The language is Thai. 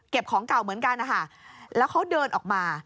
ของเก่าเหมือนกันนะคะแล้วเขาเดินออกมา